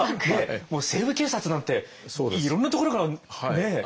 もう「西部警察」なんていろんなところからね。